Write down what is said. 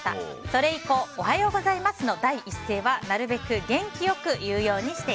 それ以降おはようございますの第一声はなるべく元気良く偉いね。